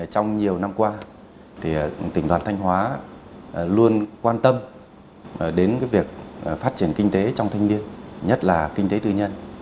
trong nhiều năm qua tỉnh đoàn thanh hóa luôn quan tâm đến việc phát triển kinh tế trong thanh niên nhất là kinh tế tư nhân